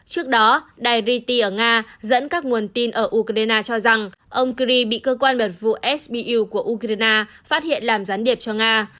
trước đó đài reti ở nga dẫn các nguồn tin ở ukraine cho rằng ông kiri bị cơ quan bật vụ sbu của ukraine phát hiện làm gián điệp cho nga